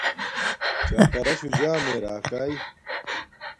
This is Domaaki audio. چاکراشوہ جامیے راکاݵ